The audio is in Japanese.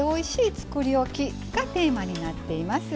つくりおき」がテーマになっています。